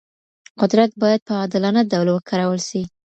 قدرت باید په عادلانه ډول وکارول سي.